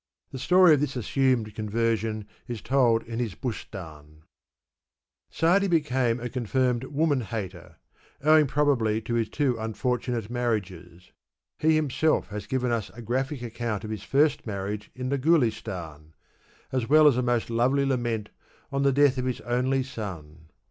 The story of this assumed conversion b told in his Bustan,^ Sa^di became a confirmed woman hater, owing probably to his two unfortunate marriages. He himself has given us a graphic account of his first marriage in the GuUstan ^ as well as a most lovely lament on the death of his only son.